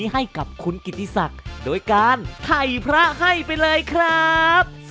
ให้กับคุณกิติศักดิ์โดยการไถ่พระให้ไปเลยครับ